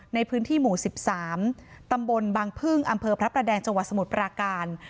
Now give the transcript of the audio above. ในพื้นที่หมู่๑๓ตำบลบางพึ่งอำเภอพระประแดงจังหวัดสมุทรปราการ